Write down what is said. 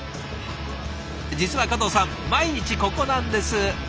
実は加藤さん毎日ここなんです。